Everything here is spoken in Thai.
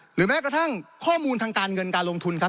แม้กระทั่งข้อมูลทางการเงินการลงทุนครับ